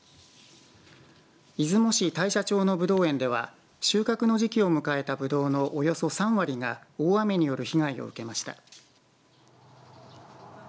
出雲市大社町のぶどう園では収穫の時期を迎えたぶどうのおよそ３割が大雨による被害を受けました。